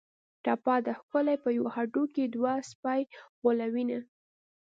ټپه ده: ښکلي په یوه هډوکي دوه سپي غولوینه